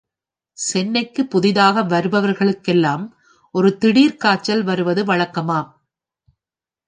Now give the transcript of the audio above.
சென்னைக்குப் புதிதாக வருபவர்களுக்கெல்லாம் ஒரு திடீர் காய்ச்சல் வருவது வழக்கமாம்.